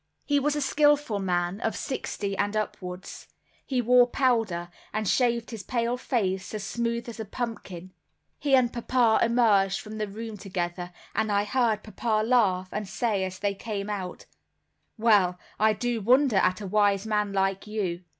He was a skilful man, of sixty and upwards, he wore powder, and shaved his pale face as smooth as a pumpkin. He and papa emerged from the room together, and I heard papa laugh, and say as they came out: "Well, I do wonder at a wise man like you.